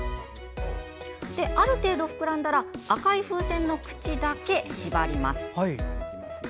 ある程度、膨らんだら赤い風船の口だけ縛ります。